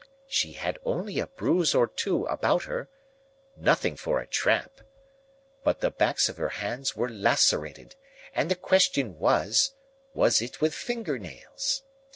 She had only a bruise or two about her,—nothing for a tramp,—but the backs of her hands were lacerated, and the question was, Was it with finger nails?